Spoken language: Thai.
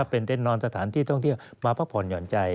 เป็นเต้นนอนสถานที่ท่องเที่ยวมาพักผ่อนหย่อนใจ